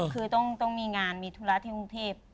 คือต้องมีงานมีธุระที่กรุงเทพ